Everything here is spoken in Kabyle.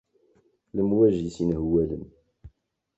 Lemwaǧi-s yenhewwalen.